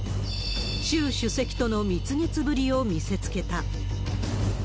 習主席との蜜月ぶりを見せつけた。